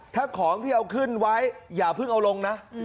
ถ้าของที่เอาขึ้นไว้อย่าเพิ่งเอาลงนะ